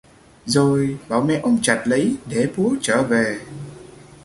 rồi bảo mẹ ôm chặt lấy để bố chở về